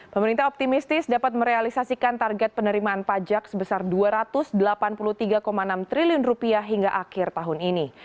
pemerintah optimistis dapat merealisasikan target penerimaan pajak sebesar rp dua ratus delapan puluh tiga enam triliun hingga akhir tahun ini